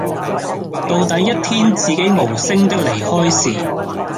到底一天自己無聲的離開時